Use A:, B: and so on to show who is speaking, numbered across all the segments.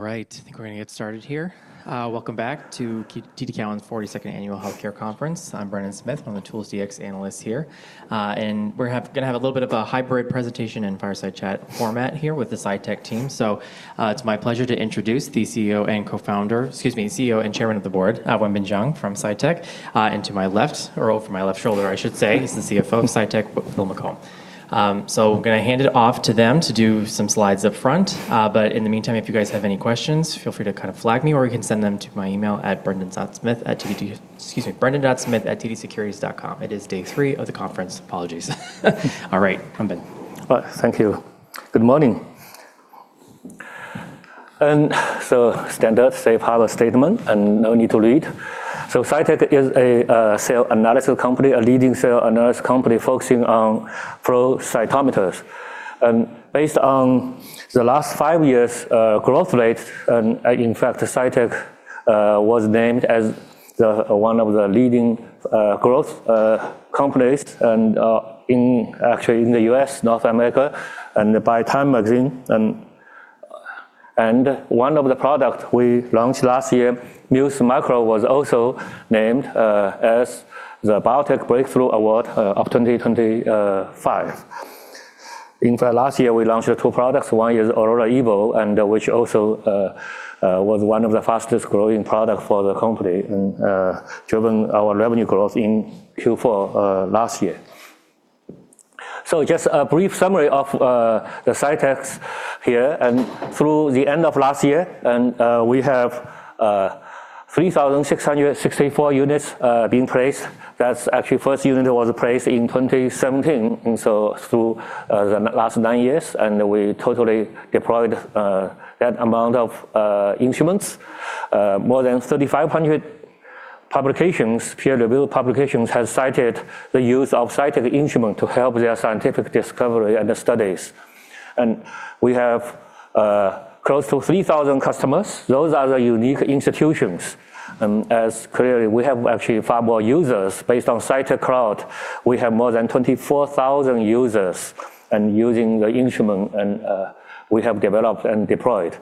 A: All right, I think we're gonna get started here. Welcome back to TD Cowen's 42nd annual healthcare conference. I'm Brendan Smith. I'm the tools DX analyst here. We're gonna have a little bit of a hybrid presentation and fireside chat format here with the Cytek team. It's my pleasure to introduce the CEO and co-founder, excuse me, CEO and Chairman of the Board, Wenbin Jiang from Cytek. To my left, or over my left shoulder, I should say, is the CFO of Cytek, William McCombe. Gonna hand it off to them to do some slides up front. In the meantime, if you guys have any questions, feel free to kind of flag me, or you can send them to my email at brendan.smith@tdsecurities.com. It is day three of the conference. Apologies. All right, Wenbin.
B: Well, thank you. Good morning. Standard safe harbor statement and no need to read. Cytek is a cell analysis company, a leading cell analysis company focusing on flow cytometers. Based on the last five years' growth rate, and in fact, Cytek was named as the one of the leading growth companies actually in the U.S., North America, and by Time Magazine. One of the products we launched last year, Muse Micro, was also named as the BioTech Breakthrough Award of 2025. In fact, last year we launched two products. One is Aurora Evo, and which also was one of the fastest-growing product for the company and driven our revenue growth in Q4 last year. Just a brief summary of the Cytek's here and through the end of last year, we have 3,664 units being placed. That's actually first unit was placed in 2017, through the last 9 years, we totally deployed that amount of instruments. More than 3,500 publications, peer-reviewed publications, has cited the use of Cytek instrument to help their scientific discovery and studies. We have close to 3,000 customers. Those are the unique institutions, as clearly we have actually far more users. Based on Cytek Cloud, we have more than 24,000 users using the instrument, we have developed and deployed.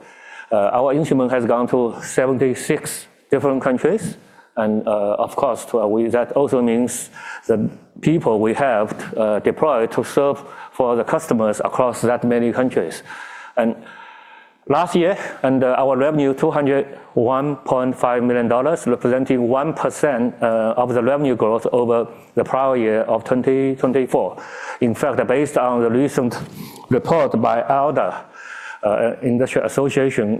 B: Our instrument has gone to 76 different countries, of course that also means the people we have deployed to serve for the customers across that many countries. Last year, our revenue $201.5 million, representing 1% of the revenue growth over the prior year of 2024. In fact, based on the recent report by ALDA Industry Association,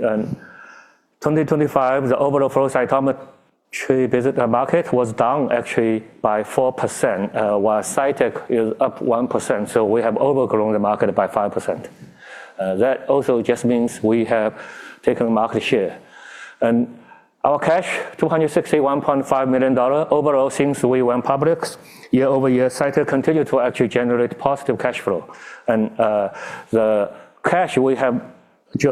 B: 2025, the overall flow cytometry business market was down actually by 4%, while Cytek is up 1%, so we have overgrown the market by 5%. That also just means we have taken market share. Our cash, $261.5 million overall since we went public. Year-over-year, Cytek continued to actually generate positive cash flow. The cash we have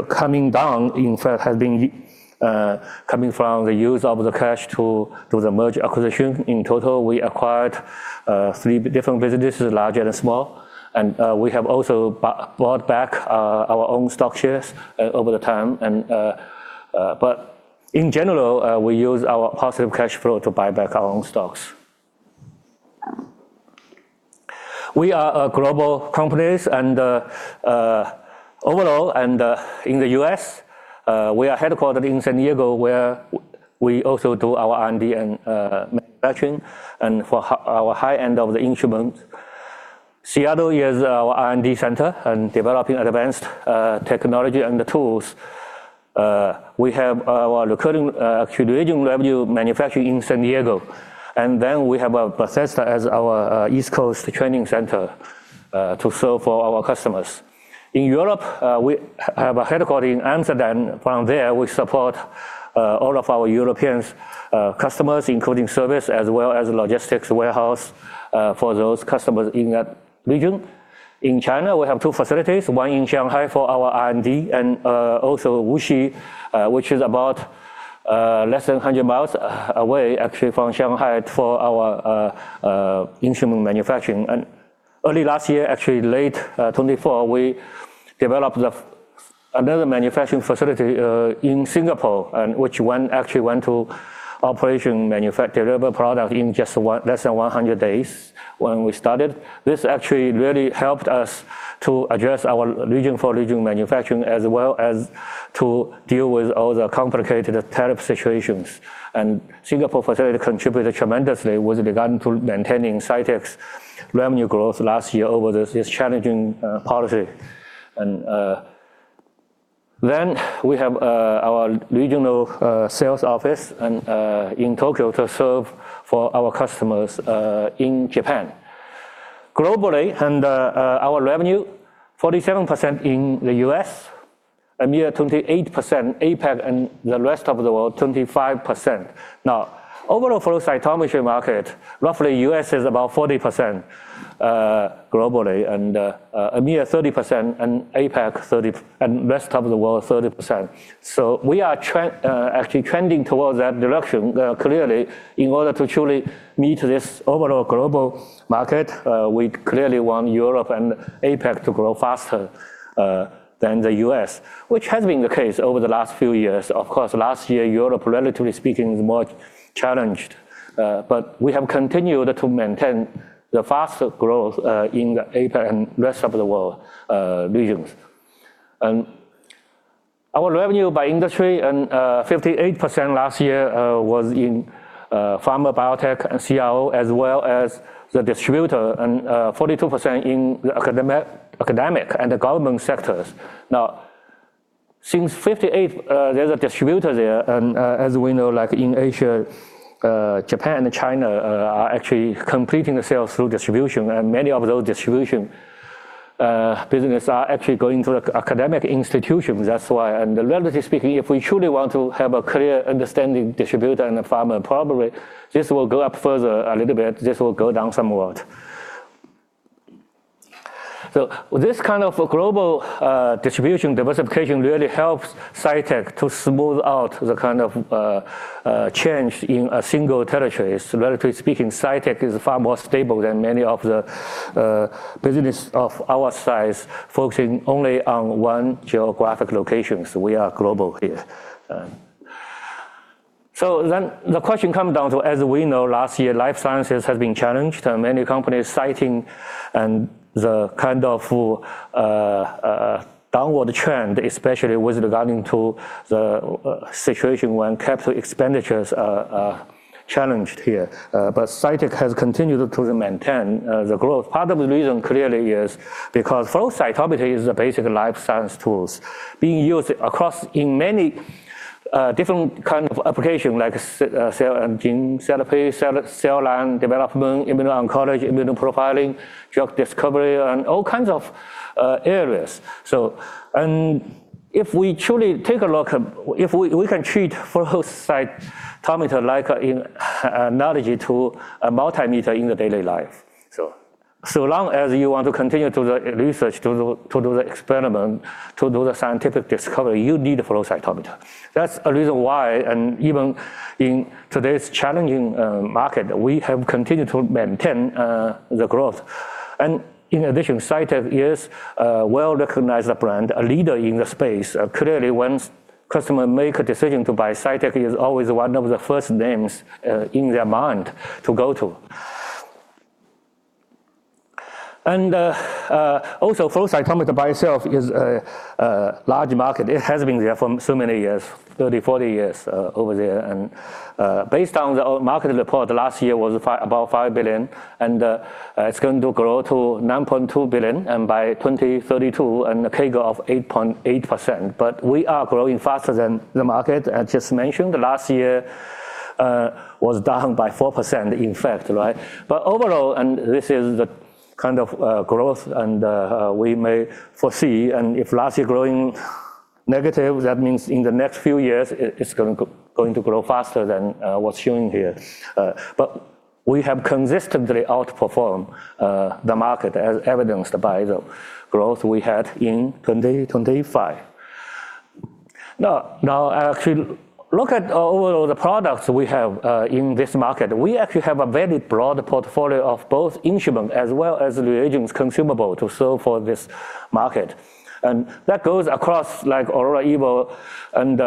B: coming down, in fact, has been coming from the use of the cash to the merge acquisition. In total, we acquired three different businesses, large and small. We have also bought back our own stock shares over the time but in general, we use our positive cash flow to buy back our own stocks. We are a global companies overall and in the U.S., we are headquartered in San Diego, where we also do our R&D and manufacturing and for our high end of the instrument. Seattle is our R&D center and developing advanced technology and tools. We have our recurring recurring revenue manufacturing in San Diego. We have Bethesda as our East Coast training center to serve all our customers. In Europe, we have a headquarter in Amsterdam. From there, we support all of our European customers, including service as well as logistics warehouse for those customers in that region. In China, we have two facilities, one in Shanghai for our R&D and also Wuxi, which is about less than 100 miles away actually from Shanghai for our instrument manufacturing. Early last year, actually late 2024, we developed another manufacturing facility in Singapore, and which one actually went to operation manufacture, deliver product in just less than 100 days when we started. This actually really helped us to address our region for region manufacturing as well as to deal with all the complicated tariff situations. Singapore facility contributed tremendously with regard to maintaining Cytek's revenue growth last year over this challenging policy. We have our regional sales office in Tokyo to serve for our customers in Japan. Globally, our revenue, 47% in the U.S., a mere 28% APAC, and the rest of the world, 25%. Now, overall flow cytometry market, roughly U.S. is about 40% globally, EMEA, 30%, and APAC 30%, and rest of the world 30%. We are actually trending towards that direction. Clearly, in order to truly meet this overall global market, we clearly want Europe and APAC to grow faster than the U.S., which has been the case over the last few years. Of course, last year, Europe, relatively speaking, was more challenged. We have continued to maintain the faster growth in the Asia and rest of the world regions. Our revenue by industry, 58% last year, was in pharma, biotech and CRO as well as the distributor, and 42% in the academic and the government sectors. Now, since 58, there's a distributor there, and as we know, like in Asia, Japan and China are actually completing the sales through distribution. Many of those distribution business are actually going to academic institutions, that's why. Relatively speaking, if we truly want to have a clear understanding distributor and pharma, probably this will go up further a little bit, this will go down somewhat. This kind of global distribution diversification really helps Cytek to smooth out the kind of change in a single territory. Relatively speaking, Cytek is far more stable than many of the business of our size focusing only on one geographic location. We are global here. The question come down to, as we know, last year, life sciences has been challenged. Many companies citing and the kind of downward trend, especially with regarding to the situation when capital expenditures are challenged here. Cytek has continued to maintain the growth. Part of the reason, clearly, is because flow cytometry is a basic life science tools being used across in many different kind of application, like cell and gene therapy, cell line development, immuno-oncology, immuno-profiling, drug discovery, and all kinds of areas. If we truly take a look, if we can treat flow cytometry like in analogy to a multimeter in the daily life. So long as you want to continue to the research to do the experiment, to do the scientific discovery, you need a flow cytometer. That's a reason why and even in today's challenging market, we have continued to maintain the growth. In addition, Cytek is a well-recognized brand, a leader in the space. Clearly, once customer make a decision to buy, Cytek is always one of the first names in their mind to go to. Also flow cytometry by itself is a large market. It has been there for so many years, 30, 40 years over there. Based on the market report, last year was about $5 billion, and it's going to grow to $9.2 billion, and by 2032, and a CAGR of 8.8%. We are growing faster than the market. I just mentioned last year was down by 4%, in fact, right? Overall, and this is the kind of growth and we may foresee, and if last year growing negative, that means in the next few years, it is going to grow faster than what's shown here. We have consistently outperformed the market, as evidenced by the growth we had in 2025. Now if you look at all the products we have in this market, we actually have a very broad portfolio of both instrument as well as reagents consumable to serve for this market. That goes across like Aurora Evo and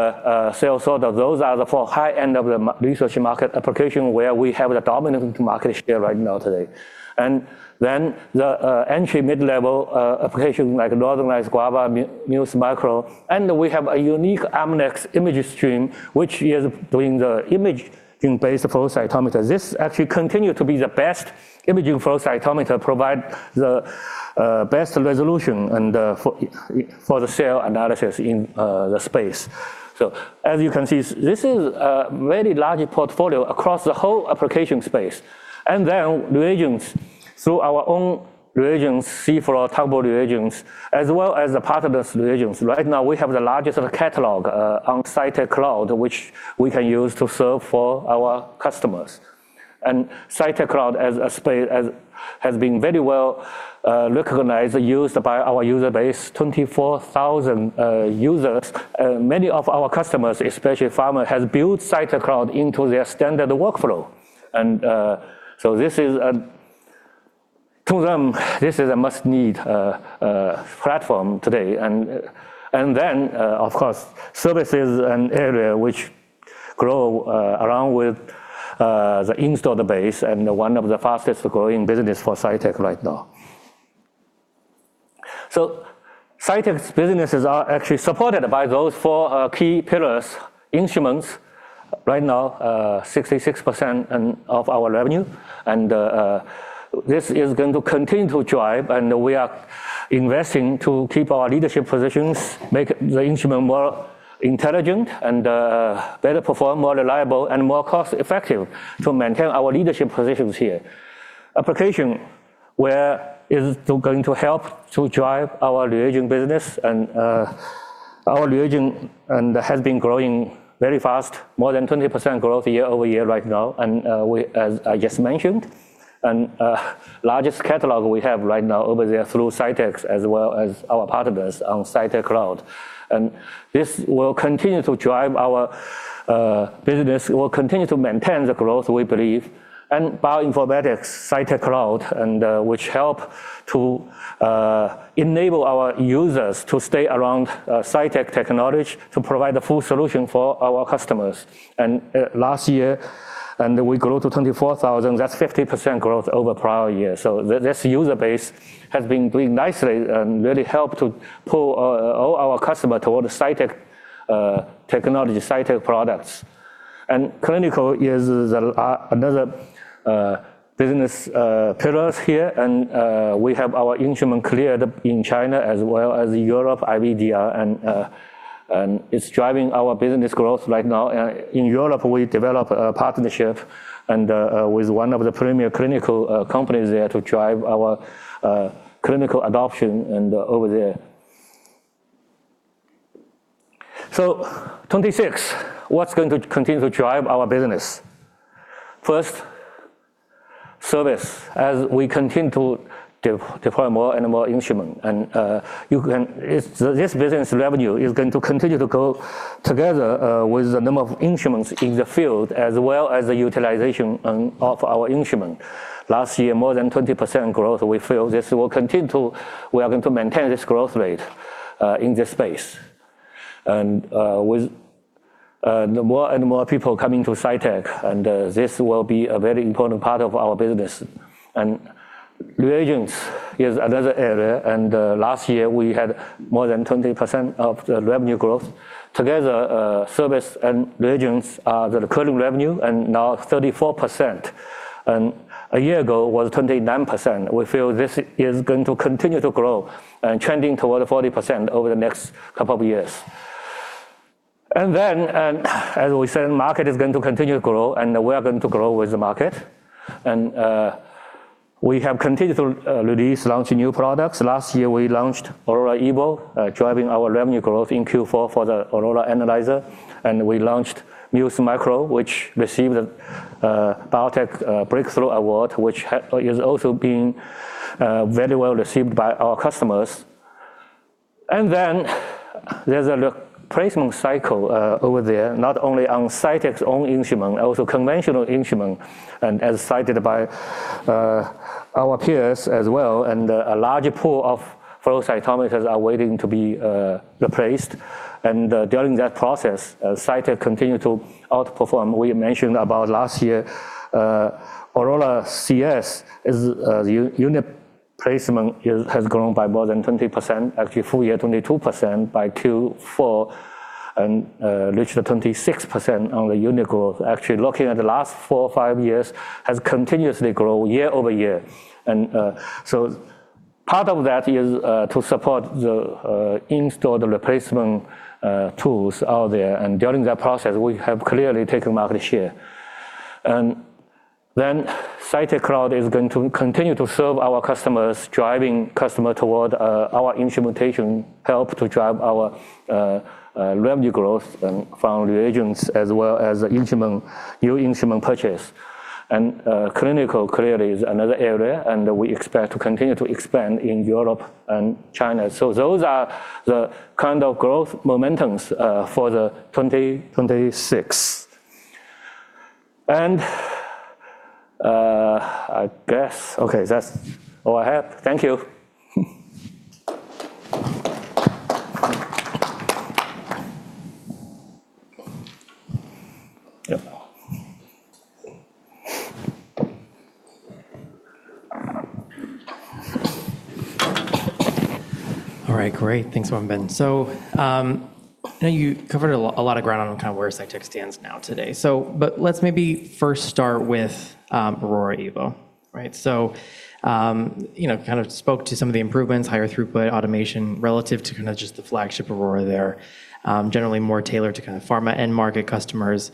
B: Cell Sorter. Those are the four high-end of the research market application where we have the dominant market share right now today. The entry mid-level application like Northern Lights, Guava, Muse Micro, and we have a unique Amnis ImageStream, which is doing the image in base of flow cytometer. This actually continue to be the best imaging flow cytometer, provide the best resolution and for the cell analysis in the space. This is a very large portfolio across the whole application space. Reagents. Our own reagents, cFluor, Tonbo Reagents, as well as the partners reagents. Right now, we have the largest catalog on Cytek Cloud, which we can use to serve for our customers. Cytek Cloud has been very well recognized, used by our user base, 24,000 users. Many of our customers, especially pharma, has built Cytek Cloud into their standard workflow. So this is to them, this is a must-need platform today. Then, of course, services and area which grow around with the installed base and one of the fastest-growing business for Cytek right now. Cytek's businesses are actually supported by those four key pillars. Instruments, right now, 66% of our revenue. This is going to continue to drive, and we are investing to keep our leadership positions, make the instrument more intelligent and better perform, more reliable and more cost-effective to maintain our leadership positions here. Application, where is going to help to drive our reagent business and our reagent has been growing very fast, more than 20% growth year-over-year right now, we, as I just mentioned. Largest catalog we have right now over there through Cytek's as well as our partners on Cytek Cloud. This will continue to drive our business. It will continue to maintain the growth, we believe. Bioinformatics Cytek Cloud which help to enable our users to stay around Cytek technology to provide a full solution for our customers. Last year we grow to 24,000, that's 50% growth over prior year. This user base has been growing nicely and really help to pull all our customer toward Cytek technology, Cytek products. Clinical is another business pillars here. We have our instrument cleared in China as well as Europe IVDR. It's driving our business growth right now. In Europe, we develop a partnership with one of the premier clinical companies there to drive our clinical adoption over there. 2026, what's going to continue to drive our business? First, service. As we continue to de-deploy more and more instrument, this business revenue is going to continue to grow together with the number of instruments in the field as well as the utilization and of our instrument. Last year, more than 20% growth. We feel we are going to maintain this growth rate in this space. With more and more people coming to Cytek, this will be a very important part of our business. Reagents is another area. Last year we had more than 20% of the revenue growth. Together, service and reagents are the recurring revenue and now 34%. A year ago was 29%. We feel this is going to continue to grow and trending toward 40% over the next couple of years. As we said, market is going to continue to grow and we are going to grow with the market. We have continued to release, launch new products. Last year, we launched Aurora Evo, driving our revenue growth in Q4 for the Aurora Analyzer. We launched Muse Micro, which received BioTech Breakthrough Awards, which is also being very well received by our customers. There's a replacement cycle over there, not only on Cytek's own instrument, also conventional instrument. As cited by our peers as well, and a larger pool of flow cytometers are waiting to be replaced. During that process, Cytek continued to outperform. We mentioned about last year, Aurora CS unit placement has grown by more than 20%. Actually full year, 22% by Q4 and reached 26% on the unit growth. Actually, looking at the last four or five years has continuously grown year-over-year. Part of that is to support the in-store, the replacement tools out there. During that process, we have clearly taken market share. Cytek Cloud is going to continue to serve our customers, driving customer toward our instrumentation, help to drive our revenue growth and from reagents as well as instrument, new instrument purchase. Clinical clearly is another area, and we expect to continue to expand in Europe and China. Those are the kind of growth momentums, for the 2026. I guess, okay, that's all I have. Thank you.
A: Yep. All right, great. Thanks, Wenbin. I know you covered a lot of ground on kind of where Cytek stands now today. But let's maybe first start with Aurora Evo, right? You know, kind of spoke to some of the improvements, higher throughput, automation, relative to kinda just the flagship Aurora there. Generally more tailored to kind of pharma end market customers.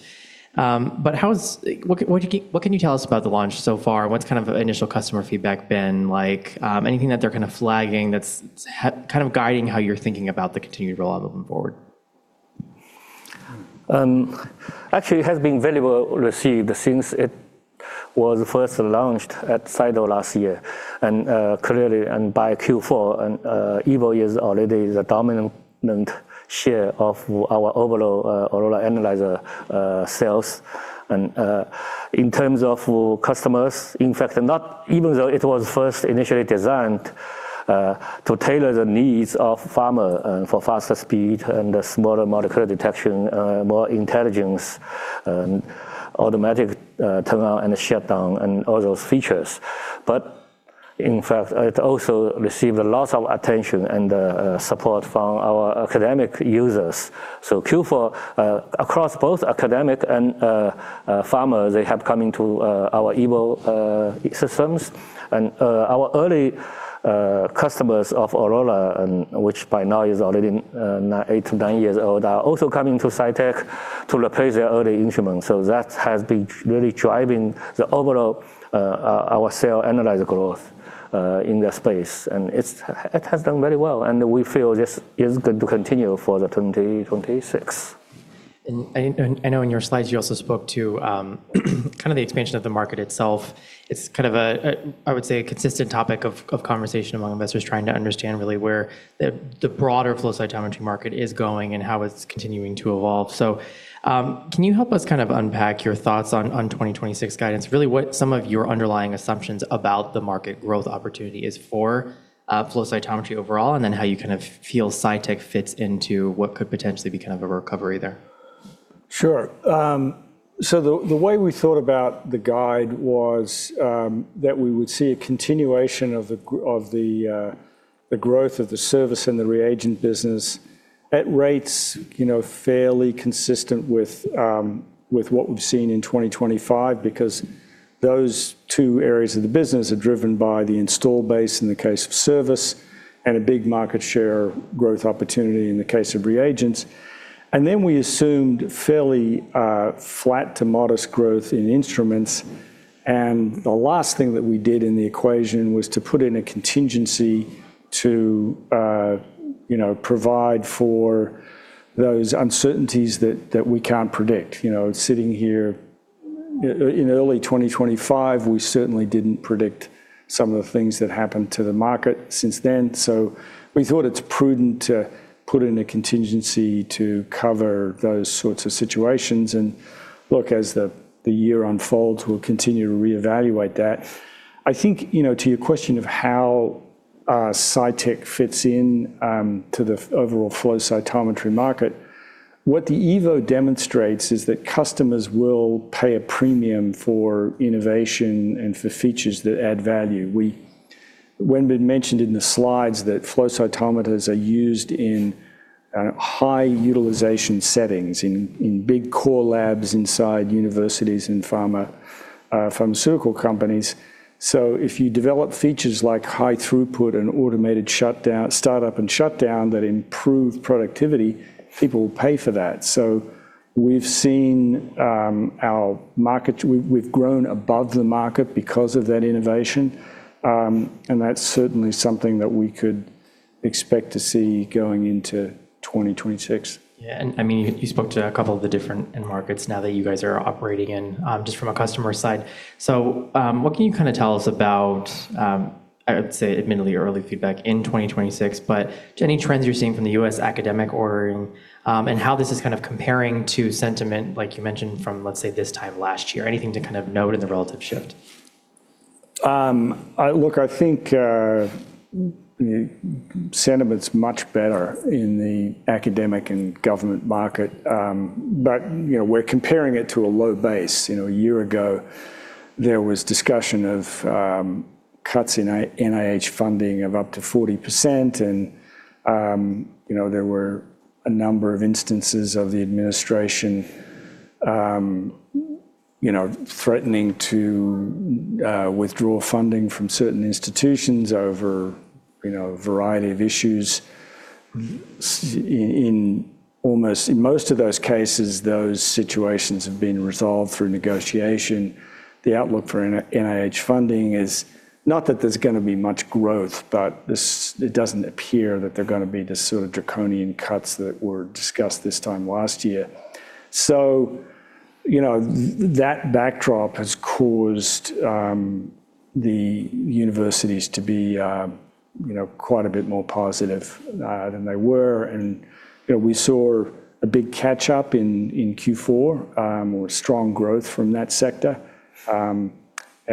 A: But what do you, what can you tell us about the launch so far? What's kind of initial customer feedback been like? Anything that they're kind of flagging that's kind of guiding how you're thinking about the continued roll out moving forward?
B: Actually, it has been very well received since it was first launched at CYTO last year. Clearly and by Q4, Evo is already the dominant share of our overall Aurora Analyzer sales. In terms of customers, in fact, not even though it was first initially designed to tailor the needs of pharma for faster speed and smaller molecular detection, more intelligence and automatic turnaround and shutdown and all those features. In fact, it also received a lot of attention and support from our academic users. Q4, across both academic and pharma, they have come into our Evo systems. Our early customers of Aurora and which by now is already eight to nine years old, are also coming to Cytek to replace their older instruments. That has been really driving the overall our cell analyzer growth in the space. It has done very well, and we feel this is going to continue for the 2026.
A: I know in your slides you also spoke to, kind of the expansion of the market itself. It's kind of a, I would say, a consistent topic of conversation among investors trying to understand really where the broader flow cytometry market is going and how it's continuing to evolve. Can you help us kind of unpack your thoughts on 2026 guidance, really what some of your underlying assumptions about the market growth opportunity is for flow cytometry overall, and then how you kind of feel Cytek fits into what could potentially be kind of a recovery there?
C: Sure. The way we thought about the guide was that we would see a continuation of the growth of the service and the reagent business at rates, you know, fairly consistent with what we've seen in 2025 because those two areas of the business are driven by the install base in the case of service and a big market share growth opportunity in the case of reagents. We assumed fairly flat to modest growth in instruments. The last thing that we did in the equation was to put in a contingency to, you know, provide for those uncertainties that we can't predict. You know, sitting here in early 2025, we certainly didn't predict some of the things that happened to the market since then. We thought it's prudent to put in a contingency to cover those sorts of situations. Look, as the year unfolds, we'll continue to reevaluate that. I think, you know, to your question of how Cytek fits in to the overall flow cytometry market, what the Evo demonstrates is that customers will pay a premium for innovation and for features that add value. Wenbin mentioned in the slides that flow cytometers are used in high utilization settings in big core labs inside universities and pharma, pharmaceutical companies. If you develop features like high throughput and automated shutdown, startup and shutdown that improve productivity, people will pay for that. We've seen. We've grown above the market because of that innovation, and that's certainly something that we could expect to see going into 2026.
A: Yeah. I mean, you spoke to a couple of the different end markets now that you guys are operating in, just from a customer side. What can you kinda tell us about, I would say admittedly early feedback in 2026, but any trends you're seeing from the U.S. academic ordering, and how this is kind of comparing to sentiment, like you mentioned from, let's say, this time last year? Anything to kind of note in the relative shift?
C: Look, I think sentiment's much better in the academic and government market. You know, we're comparing it to a low base. You know, a year ago, there was discussion of cuts in NIH funding of up to 40% and, you know, there were a number of instances of the administration, you know, threatening to withdraw funding from certain institutions over, you know, a variety of issues. In most of those cases, those situations have been resolved through negotiation. The outlook for NIH funding is not that there's gonna be much growth, but it doesn't appear that they're gonna be the sort of draconian cuts that were discussed this time last year. You know, that backdrop has caused the universities to be, you know, quite a bit more positive than they were. you know, we saw a big catch-up in Q4, or strong growth from that sector. There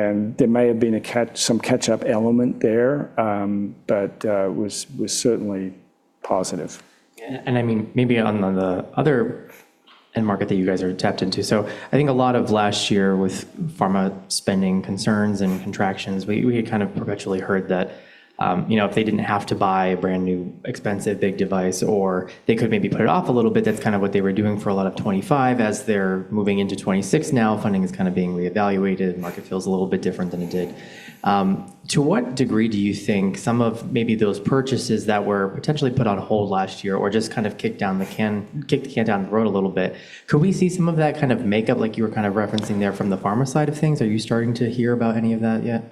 C: may have been some catch-up element there, but was certainly positive.
A: I mean, maybe on the other end market that you guys are tapped into. I think a lot of last year with pharma spending concerns and contractions, we had kind of perpetually heard that, you know, if they didn't have to buy a brand-new, expensive, big device or they could maybe put it off a little bit, that's kind of what they were doing for a lot of 2025. As they're moving into 2026 now, funding is kind of being reevaluated. Market feels a little bit different than it did. To what degree do you think some of maybe those purchases that were potentially put on hold last year or just kind of kicked down the can, kicked the can down the road a little bit, could we see some of that kind of make up like you were kind of referencing there from the pharma side of things? Are you starting to hear about any of that yet?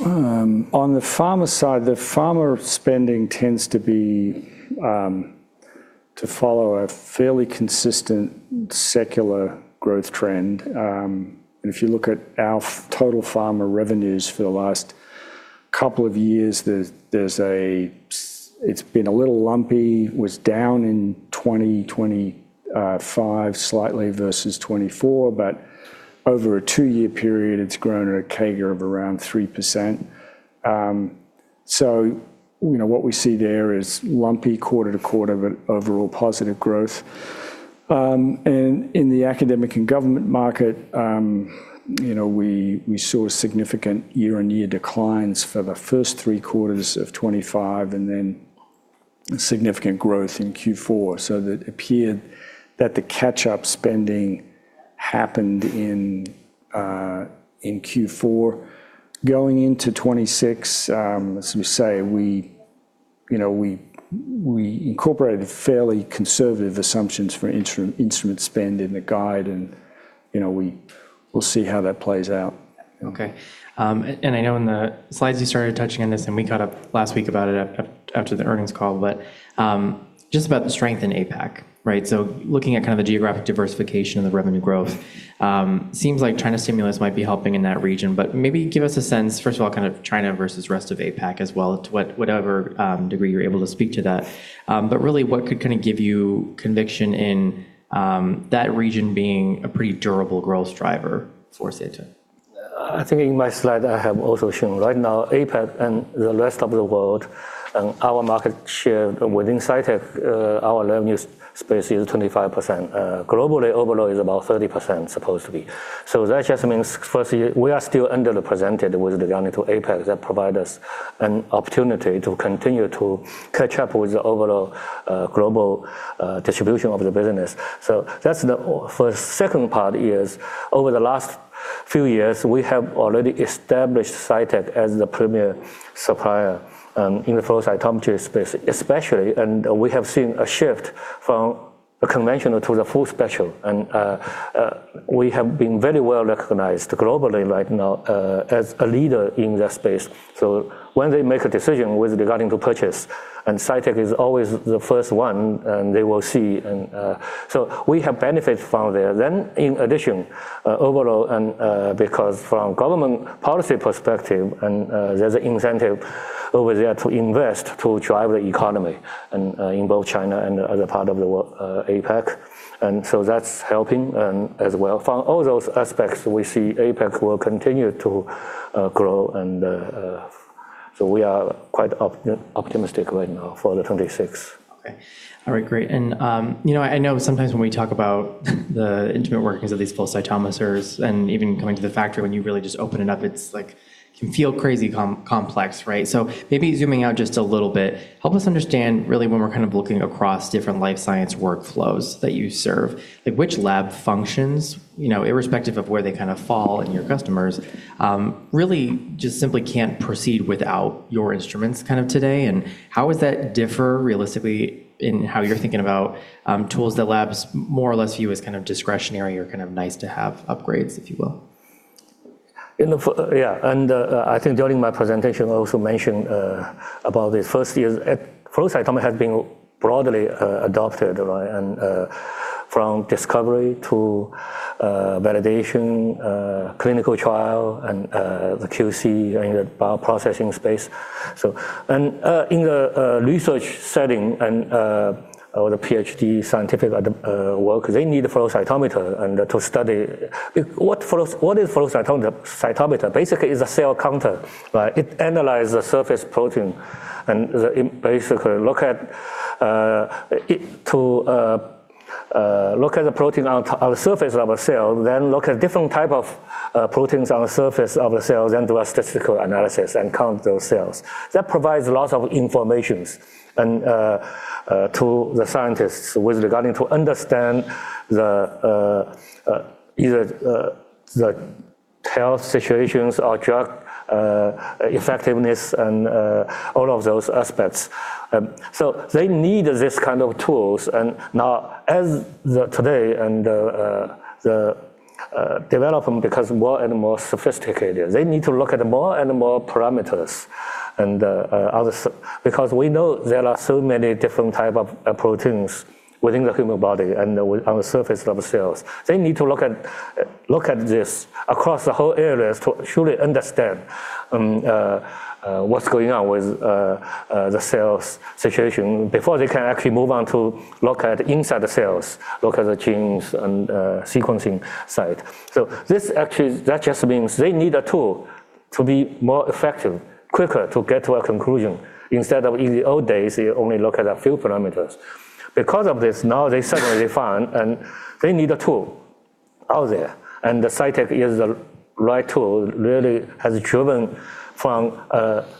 C: On the pharma side, the pharma spending tends to be to follow a fairly consistent secular growth trend. If you look at our total pharma revenues for the last couple of years, there's been a little lumpy. Was down in 2025 slightly versus 2024, but over a two-year period, it's grown at a CAGR of around 3%. You know, what we see there is lumpy quarter to quarter but overall positive growth. In the academic and government market, you know, we saw significant year-on-year declines for the first three quarters of 2025 and then significant growth in Q4. That appeared that the catch-up spending happened in Q4. Going into 2026, as we say, we, you know, we incorporated fairly conservative assumptions for instrument spend in the guide and, you know, we will see how that plays out.
A: Okay. I know in the slides you started touching on this, and we caught up last week about it after the earnings call, just about the strength in APAC, right? Looking at kind of the geographic diversification of the revenue growth, seems like China stimulus might be helping in that region. Maybe give us a sense, first of all, kind of China versus rest of APAC as well, to whatever degree you're able to speak to that. Really, what could kinda give you conviction in that region being a pretty durable growth driver for Cytek?
B: I think in my slide I have also shown right now APAC and the rest of the world and our market share within Cytek, our revenue space is 25%. Globally overall is about 30% supposed to be. That just means first year we are still underrepresented with regarding to APAC. That provide us an opportunity to continue to catch up with the overall global distribution of the business. That's for second part is over the last few years, we have already established Cytek as the premier supplier in the flow cytometry space especially. We have seen a shift from conventional to the full spectrum. We have been very well-recognized globally right now as a leader in that space. When they make a decision with regarding to purchase, and Cytek is always the first one and they will see. We have benefited from there. In addition, overall and because from government policy perspective and there's an incentive over there to invest to drive the economy in both China and other part of the APAC. That's helping as well. From all those aspects, we see APAC will continue to grow and we are quite optimistic right now for 2026.
A: Okay. All right. Great. You know, I know sometimes when we talk about the intimate workings of these flow cytometers and even coming to the factory, when you really just open it up, it's like can feel crazy complex, right? Maybe zooming out just a little bit, help us understand really when we're kind of looking across different life science workflows that you serve, like which lab functions, you know, irrespective of where they kind of fall in your customers, really just simply can't proceed without your instruments kind of today. How would that differ realistically in how you're thinking about tools that labs more or less view as kind of discretionary or kind of nice to have upgrades, if you will?
B: Yeah, I think during my presentation, I also mentioned about the first years. Flow cytometer has been broadly adopted, right? From discovery to validation, clinical trial and the QC in the bioprocessing space. In the research setting or the PhD scientific work, they need a flow cytometer and to study. What is flow cytometer? Basically is a cell counter, right? It analyzes the surface protein and it basically look at it to look at the protein on the surface of a cell, then look at different type of proteins on the surface of the cells and do a statistical analysis and count those cells. That provides a lot of information and to the scientists with regarding to understand either the health situations or drug effectiveness and all of those aspects. They need this kind of tools. Now as the today, the development becomes more and more sophisticated. They need to look at more and more parameters because we know there are so many different type of proteins within the human body and on the surface of cells. They need to look at this across the whole areas to truly understand what's going on with the cell's situation before they can actually move on to look at inside the cells, look at the genes and sequencing side. This actually that just means they need a tool to be more effective, quicker to get to a conclusion. Instead of in the old days, they only look at a few parameters. Because of this, now they suddenly find, they need a tool out there, and Cytek is the right tool, really has driven from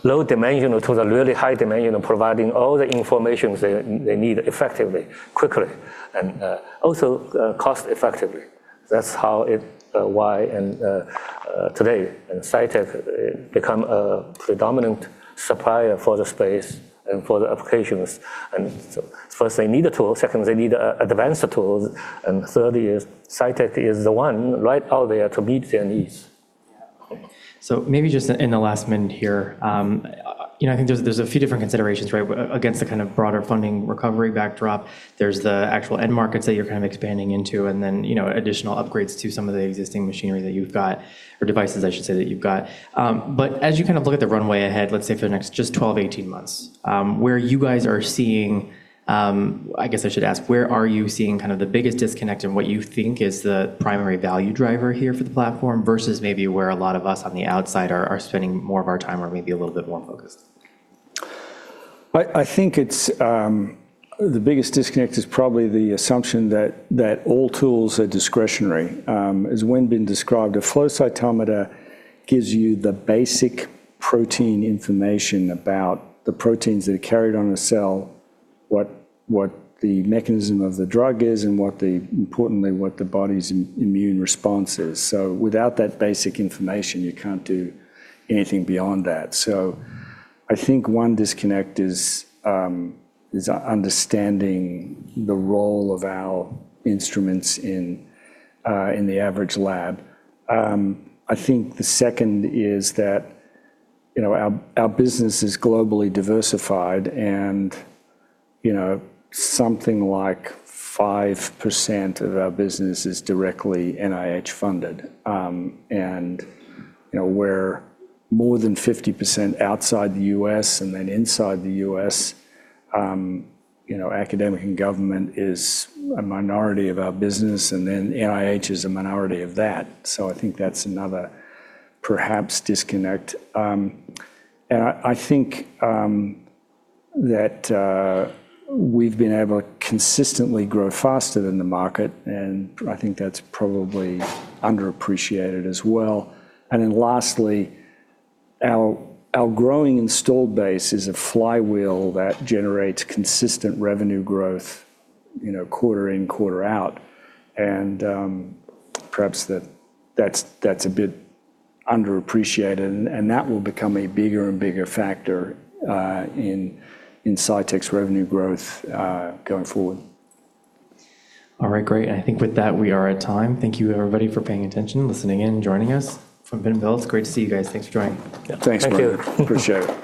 B: low dimensional to the really high dimensional, providing all the information they need effectively, quickly, and also cost effectively. That's how it, why today Cytek become a predominant supplier for the space and for the applications. First they need a tool. Second, they need a advanced tool. Third is Cytek is the one right out there to meet their needs.
A: Maybe just in the last minute here, you know, I think there's a few different considerations, right? Against the kind of broader funding recovery backdrop, there's the actual end markets that you're kind of expanding into and then, you know, additional upgrades to some of the existing machinery that you've got or devices I should say that you've got. But as you kind of look at the runway ahead, let's say for the next just 12, 18 months, where you guys are seeing... I guess I should ask, where are you seeing kind of the biggest disconnect in what you think is the primary value driver here for the platform versus maybe where a lot of us on the outside are spending more of our time or maybe a little bit more focused?
C: I think it's the biggest disconnect is probably the assumption that all tools are discretionary. As Wenbin described, a flow cytometer gives you the basic protein information about the proteins that are carried on a cell, what the mechanism of the drug is, and what the, importantly, what the body's immune response is. Without that basic information, you can't do anything beyond that. I think one disconnect is understanding the role of our instruments in the average lab. I think the second is that, you know, our business is globally diversified and, you know, something like 5% of our business is directly NIH funded. You know, we're more than 50% outside the U.S. and then inside the U.S., you know, academic and government is a minority of our business, and then NIH is a minority of that. I think that's another perhaps disconnect. I think that we've been able to consistently grow faster than the market, and I think that's probably underappreciated as well. Lastly, our growing installed base is a flywheel that generates consistent revenue growth, you know, quarter in, quarter out. Perhaps that's a bit underappreciated, and that will become a bigger and bigger factor in Cytek's revenue growth going forward.
A: All right, great. I think with that, we are at time. Thank you, everybody, for paying attention, listening in, joining us. From Bentonville, it's great to see you guys. Thanks for joining.
C: Yeah. Thanks, man.
B: Thank you.
C: Appreciate it.